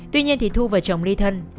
tuy nhiên thị thu và chồng ly thân